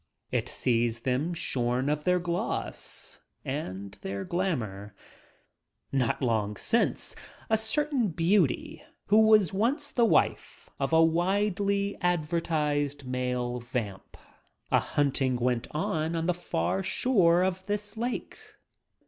It sees them shorn of their gloss and their glamour. Not long since a certain beauty who was once the wife of a widely advertised male vamp, a hunt ing went on the far shore of this lake.